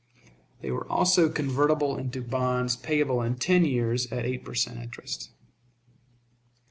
They were also convertible into bonds payable in ten years at eight per cent. interest.